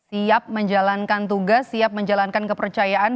siap menjalankan tugas siap menjalankan kepercayaan